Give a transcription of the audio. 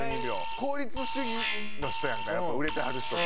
効率主義の人やんかやっぱ売れてはる人って。